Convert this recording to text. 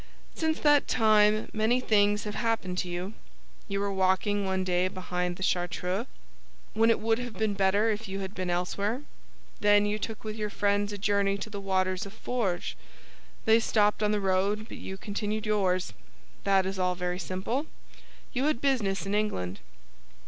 "Since that time many things have happened to you. You were walking one day behind the Chartreux, when it would have been better if you had been elsewhere. Then you took with your friends a journey to the waters of Forges; they stopped on the road, but you continued yours. That is all very simple: you had business in England."